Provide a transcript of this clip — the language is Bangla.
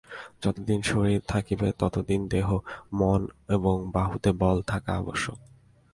যতদিন শরীর থাকিবে, ততদিন দেহ, মন এবং বাহুতে বল থাকা আবশ্যক।